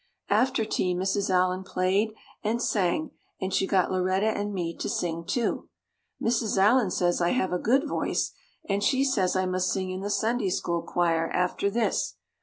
After tea Mrs. Allan played and sang and she got Lauretta and me to sing too. Mrs. Allan says I have a good voice and she says I must sing in the Sunday school choir after this.